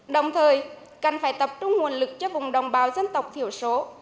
đồng thời cần phải tập trung nguồn lực cho vùng đồng bào dân tộc thiểu số